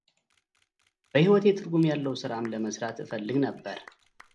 በሕይወቴ ትርጉም ያለው ሥራም ለመሥራት እፈልግ ነበር።